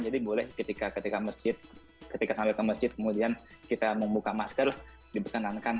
jadi boleh ketika sampai ke masjid kemudian kita membuka masker diperkenankan